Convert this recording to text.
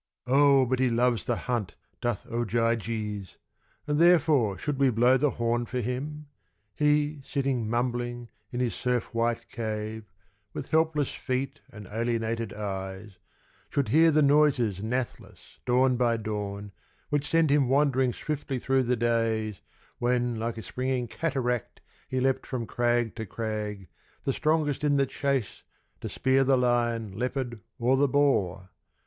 Oh, but he loves the hunt, doth Ogyges! And therefore should we blow the horn for him: He, sitting mumbling in his surf white cave With helpless feet and alienated eyes, Should hear the noises nathless dawn by dawn Which send him wandering swiftly through the days When like a springing cataract he leapt From crag to crag, the strongest in the chase To spear the lion, leopard, or the boar!